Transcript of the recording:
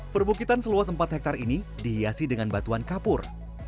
perbukitan seluas empat hektare ini dihiasi dengan batuan kapur